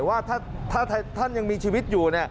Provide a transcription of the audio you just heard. ว่าถ้าท่านยังมีชีวิตอยู่